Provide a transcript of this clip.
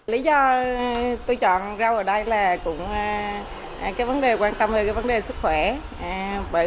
lý do tôi chọn rau ở đây là cũng cái vấn đề quan tâm hơn cái vấn đề sức khỏe